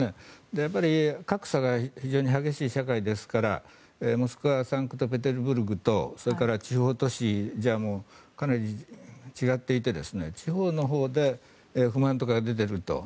やっぱり格差が非常に激しい社会ですからモスクワサンクトペテルブルクとそれから地方都市じゃかなり違っていて地方のほうで不満とか出ていると。